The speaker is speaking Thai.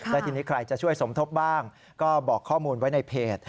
และทีนี้ใครจะช่วยสมทบบ้างก็บอกข้อมูลไว้ในเพจ